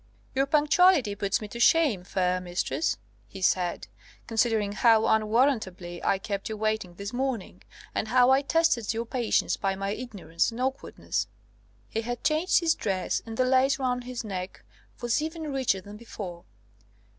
"Your punctuality puts me to shame, fair mistress," he said, "considering how unwarrantably I kept you waiting this morning, and how I tested your patience by my ignorance and awkwardness." He had changed his dress, and the lace round his neck was even richer than before.